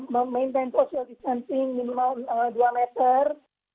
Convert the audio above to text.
memaintain social distancing minimal dua meter